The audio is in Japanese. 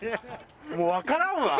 もうわからんわ。